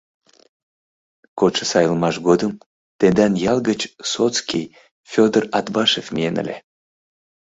Кодшо сайлымаш годым тендан ял гыч сотский Фёдор Атбашев миен ыле.